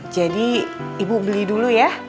jadi ibu beli dulu ya